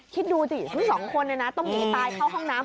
คิดดูสิทั้งสองคนต้องหนีตายเข้าห้องน้ำ